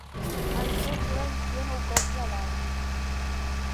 En surt una edició nou cops a l'any.